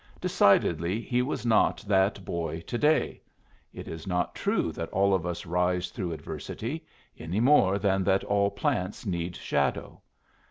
Decidedly he was not that boy to day! It is not true that all of us rise through adversity, any more than that all plants need shadow.